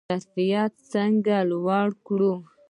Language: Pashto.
ظرفیت څنګه لوړ کړو؟